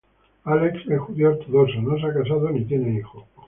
Alex es judío ortodoxo, no se ha casado ni tiene hijos.